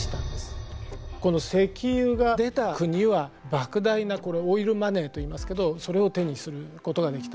この石油が出た国は莫大なこのオイルマネーといいますけどそれを手にすることができた。